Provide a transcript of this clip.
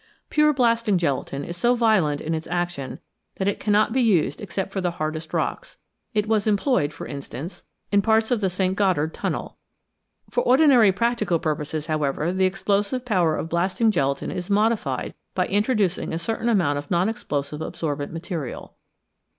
Pure blasting gelatine is so violent in its action that it cannot be used except for the hardest rocks ; it was employed, for instance, in parts of the 337 Y GREAT DISCOVERIES St. Gotthard tunnel. For ordinary practical purposes, however, the explosive power of blasting gelatine is modified by introducing a certain amount of non explosive absorbent material.